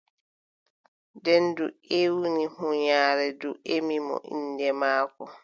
Nden ndu ewni huunyaare ndu ƴemi mo innde maako.